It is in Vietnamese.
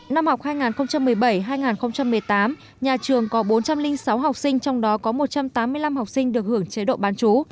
năm học hai nghìn một mươi bảy hai nghìn một mươi tám nhà trường có bốn trăm linh sáu học sinh trong đó có một trăm tám mươi năm học sinh được hưởng chế độ bán chú